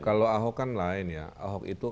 kalau ahok kan lain ya ahok itu